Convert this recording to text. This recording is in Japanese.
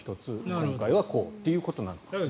今回はこうということなんですね。